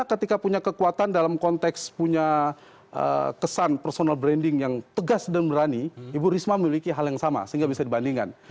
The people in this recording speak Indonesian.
ketika punya kekuatan dalam konteks punya kesan personal branding yang tegas dan berani ibu risma memiliki hal yang sama sehingga bisa dibandingkan